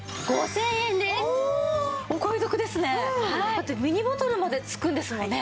だってミニボトルまで付くんですもんね。